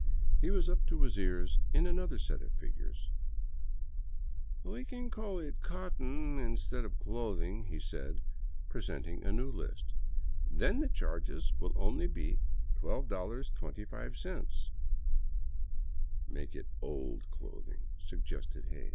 He was up to his ears in another set of figures. " We can call it cotton instead of clothing," he said, presenting a new list; "then the charges will be only $12.25." " Make it old clothing," suggested Hays.